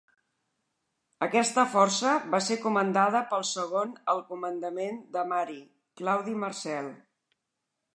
Aquesta força va ser comandada pel segon al comandament de Mari, Claudi Marcel.